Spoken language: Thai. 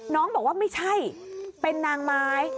น้องบอกว่าไม่ใช่เป็นนางไม้